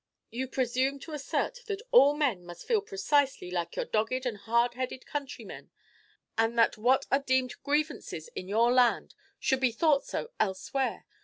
You presume to assert that all men must feel precisely like your dogged and hard headed countrymen, and that what are deemed grievances in your land should be thought so elsewhere.